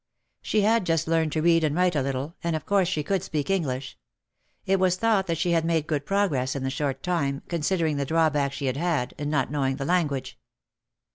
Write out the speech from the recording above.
She had just learned to read and write a little, and of course she could speak English. It was thought that she had made good progress in the short time, considering the drawback she had had, in not knowing the language.